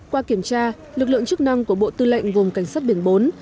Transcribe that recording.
qua kiểm tra lực lượng chức năng của bộ tư lệnh vùng cảnh sát biển bốn